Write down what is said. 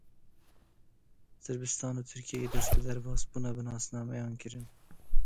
Sirbistan û Tirkiyeyê dest bi derbasbûna bi nasnameyan kirin.